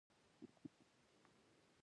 غرمه د غږونو چوپتیا وخت وي